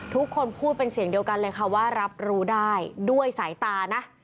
ทุกคนพูดเป็นเสียงเดียวกันเลยค่ะว่ารับรู้ได้ด้วยสายตานะ